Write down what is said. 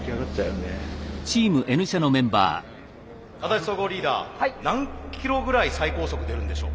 安達総合リーダー何キロぐらい最高速出るんでしょう？